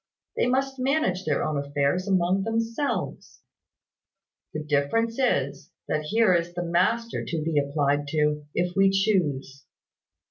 They must manage their own affairs among themselves. The difference is, that here is the master to be applied to, if we choose.